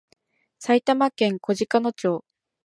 埼玉県小鹿野町